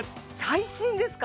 最新ですか？